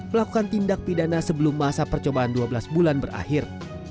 melakukan tindak pidana sebelum masa percobaan dua belas bulan berakhir